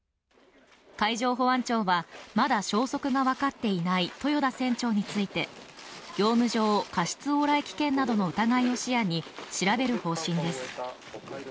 海上保安庁は、まだ消息が分かっていない豊田船長について、業務上過失往来危険などの疑いを視野に調べる方針です。